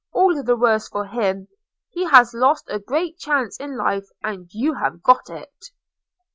All the worse for him. He has lost a great chance in life, and you have got it."